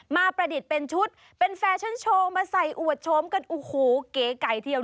ประดิษฐ์เป็นชุดเป็นแฟชั่นโชว์มาใส่อวดโฉมกันโอ้โหเก๋ไก่เทียว